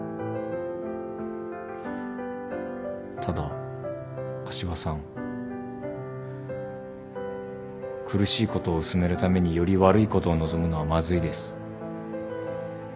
ただ柏さん苦しいことを薄めるためにより悪いことを望むのはまずいです。